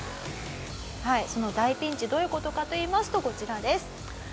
はいその大ピンチどういう事かといいますとこちらです。